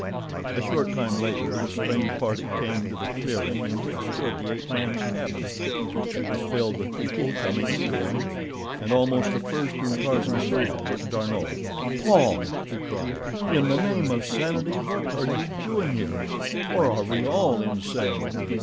A short time later the strange party came to the clearing in which stood the ape man's cabin. It was filled with people coming and going, and almost the first whom Tarzan saw was D'Arnot. "Paul!" he cried. "In the name of sanity what are you doing here? Or are we all insane?"